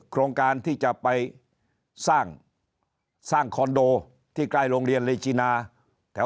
โครงการที่จะไปสร้างคอนโดที่ใกล้โรงเรียนเรจินาแถว